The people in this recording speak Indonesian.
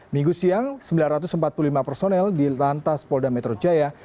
minggu siang sembilan ratus empat puluh lima personel di lantas polda metro jaya